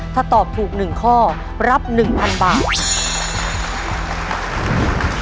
ถ้าตอบถูก๑ข้อรับ๑๐๐๐บาท